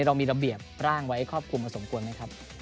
เรามีระเบียบร่างไว้ครอบคลุมพอสมควรไหมครับ